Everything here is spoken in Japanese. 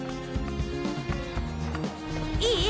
いい？